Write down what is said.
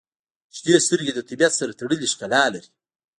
• شنې سترګې د طبیعت سره تړلې ښکلا لري.